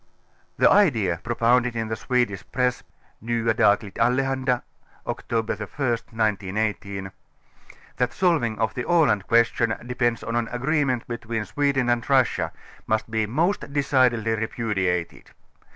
The idea, propounded in the Swedish press (Nya Dagligt Allohanda, Oct. 1st 1918) that a solving of the Aland question dei>ends on an agreement between Sweden and Russia, must be most decidedly repudiated.